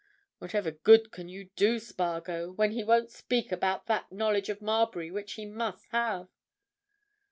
Whatever good can you do, Spargo, when he won't speak about that knowledge of Marbury which he must have?"